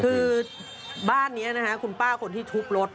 คือบ้านนี้นะฮะคุณป้าคนที่ทุบรถ